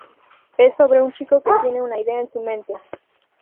Es sobre un chico que tiene una idea en su mente.